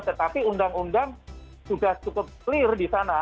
tetapi undang undang sudah cukup clear di sana